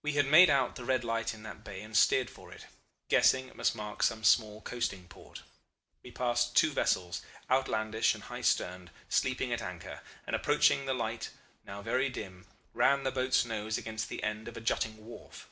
We had made out the red light in that bay and steered for it, guessing it must mark some small coasting port. We passed two vessels, outlandish and high sterned, sleeping at anchor, and, approaching the light, now very dim, ran the boat's nose against the end of a jutting wharf.